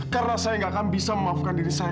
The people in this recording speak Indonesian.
karena saya tidak akan bisa memaafkan diri saya